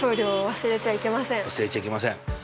忘れちゃいけません。